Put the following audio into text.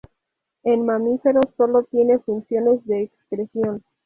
En mamíferos sólo tiene funciones de excreción.